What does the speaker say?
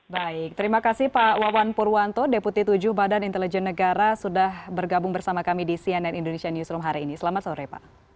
baik terima kasih pak wawan purwanto deputi tujuh badan intelijen negara sudah bergabung bersama kami di cnn indonesia newsroom hari ini selamat sore pak